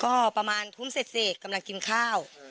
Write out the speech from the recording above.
ก็ประมาณทุ่มเสร็จกำลังกินข้าว